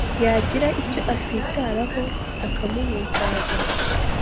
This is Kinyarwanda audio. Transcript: yagira icyo atsitaraho, bakamuhutaza